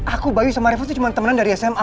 aku bayu sama reva itu cuma temenan dari sma